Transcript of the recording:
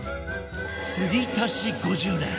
継ぎ足し５０年！